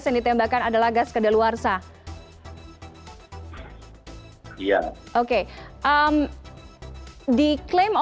jadi di kanjuruhan